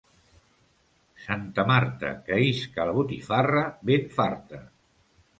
Santa Marta, que isca la botifarra ben farta.